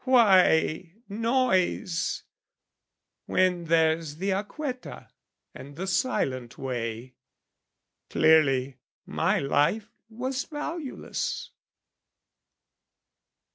Why noise, When there's the acquetta and the silent way? Clearly my life was valueless.